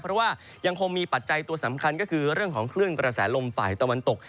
เพราะว่ายังคงมีปัจจัยตัวสำคัญก็คือเรื่องของคลื่นกระแสลมฝ่ายตะวันตก